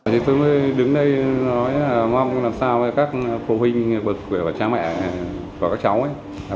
thì tôi mới đứng đây nói là mong làm sao với các phụ huynh bực của cha mẹ và các cháu ấy